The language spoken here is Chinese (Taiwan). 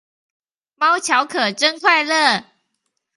貓巧可真快樂